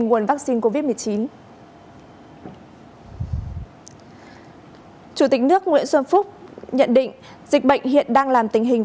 nguồn vaccine covid một mươi chín chủ tịch nước nguyễn xuân phúc nhận định dịch bệnh hiện đang làm tình hình